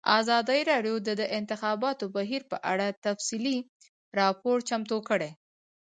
ازادي راډیو د د انتخاباتو بهیر په اړه تفصیلي راپور چمتو کړی.